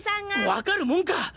わかるもんか！